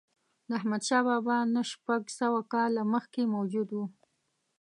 د احمدشاه بابا نه شپږ سوه کاله مخکې موجود و.